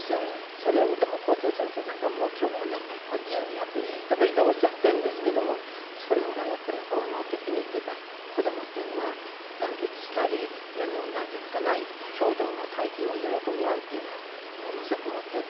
それを見て、もう校長先生なんかもうきょうはね、自由にやっていいとかっておっしゃってるんですけども、それぐらいやっぱり本能的にというか、子どもっていうのは、団結したり、なんて言うのかな、共同の体験を喜び合うというのは、ものすごく持っている。